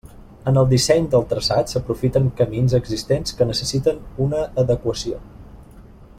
En el disseny del traçat s'aprofiten camins existents que necessiten una adequació.